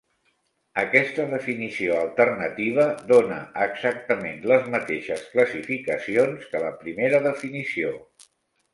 Aquesta definició alternativa dona exactament les mateixes classificacions que la primera definició.